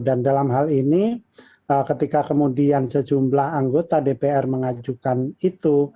dan dalam hal ini ketika kemudian sejumlah anggota dpr mengajukan itu